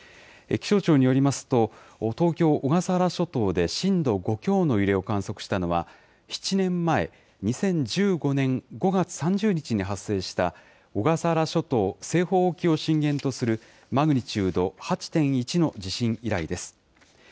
気象庁によりますと、東京・小笠原諸島で震度５強の揺れを観測したのは、７年前、２０１５年５月３０日に発生した、小笠原諸島西方沖を震源とするマグニチュード８．１の地震以来です。